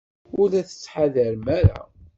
Ur la tettḥadarem ara.